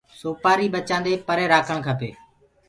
سوپآري ٻچآندي پري رآکڻ کپي۔